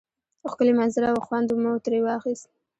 ښکلی منظره وه خوند مو تری واخیست